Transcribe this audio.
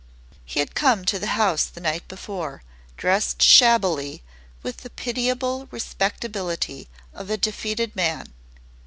He had come to the house the night before, dressed shabbily with the pitiable respectability of a defeated man.